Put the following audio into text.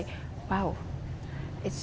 dan itu sangat luar biasa